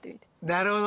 なるほど！